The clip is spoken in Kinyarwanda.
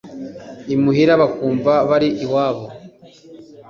imuhira bakumva bari iwabo